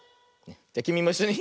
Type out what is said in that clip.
じゃきみもいっしょに。